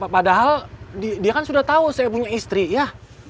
padahal dia kan sudah tahu saya punya istri ya